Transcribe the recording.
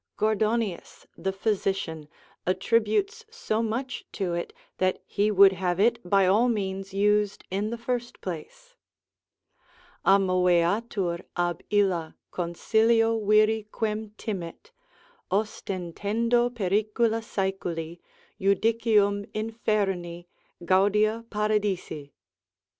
Gordonius, the physician, attributes so much to it, that he would have it by all means used in the first place. Amoveatur ab illa, consilio viri quem timet, ostendendo pericula saeculi, judicium inferni, gaudia Paradisi.